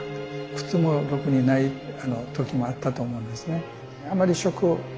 靴もろくにない時もあったと思うんですね。